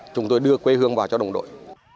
chúng tôi đưa quê hương vào cho đồng đội